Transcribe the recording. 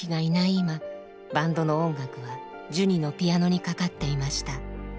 今バンドの音楽はジュニのピアノにかかっていました。